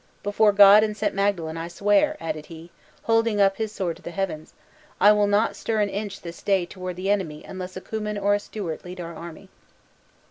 Before God and St. Magdalen I swear," added he, holding up his sword to the heavens, "I will not stir an inch this day toward the enemy unless a Cummin or a Stewart lead our army."